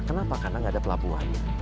kenapa karena nggak ada pelabuhan